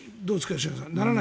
吉永さん。